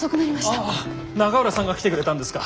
ああ永浦さんが来てくれたんですか。